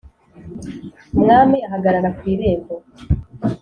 umwami ahagarara ku irembo